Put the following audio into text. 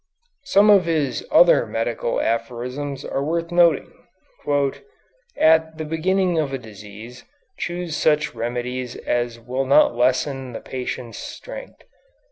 Some of his other medical aphorisms are worth noting. "At the beginning of a disease choose such remedies as will not lessen the patient's strength."